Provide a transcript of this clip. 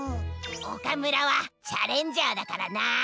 オカムラはチャレンジャーだからな。